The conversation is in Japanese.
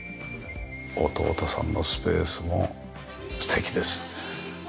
弟さんのスペースも素敵です。